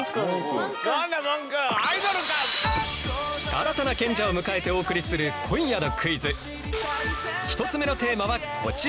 新たな賢者を迎えてお送りする今夜のクイズ１つ目のテーマはこちら。